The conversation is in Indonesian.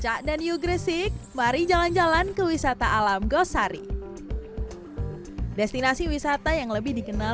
cak dan yu gresik mari jalan jalan ke wisata alam gosari destinasi wisata yang lebih dikenal